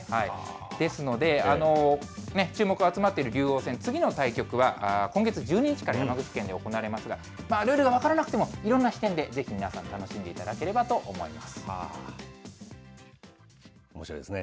ですので、注目が集まっている竜王戦、次の対局は今月１２日から山口県で行われますが、ルールが分からなくても、いろんな視点でぜひ皆さん、楽しんでいただけれおもしろいですね。